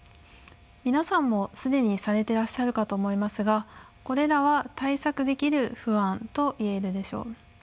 皆さんも既にされてらっしゃるかと思いますがこれらは対策できる不安と言えるでしょう。